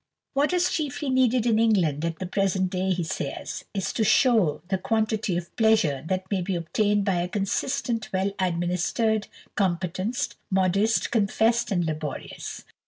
"What is chiefly needed in England at the present day," he says, "is to show the quantity of pleasure that may be obtained by a consistent, well administered competence, modest, confessed, and laborious.